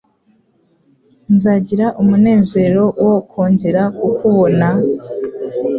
Nzagira umunezero wo kongera kukubona?